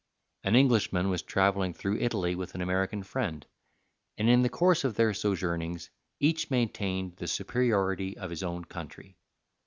An Englishman was traveling through Italy with an American friend, and in the course of their sojournings each maintained the superiority of his own country.